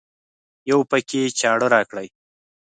یوه پاکي چاړه راکړئ